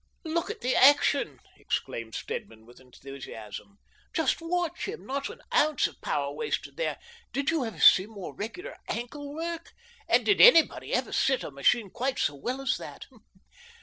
" Look at the action !" exclaimed Stedman with enthusiasm. " Just watch him. Not an ounce of power wasted there ! Did you ever see more regular ankle work ? And did anybody ever sit a machine quite so well as that